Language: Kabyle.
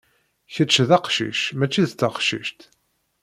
Kečč d aqcic, mačči d taqcict.